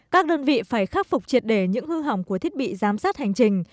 các đơn vị phải khắc phục triệt để những hư hỏng của thiết bị giám sát hành trình